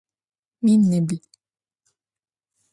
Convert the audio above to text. Minibl.